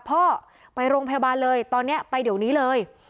พ่อไปโรงพยาบาลเลยตอนนี้ไปเดี๋ยวนี้เลย